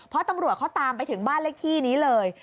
เพราะตำรวจเขาตามไปถึงบ้านเลขที่นี้เลย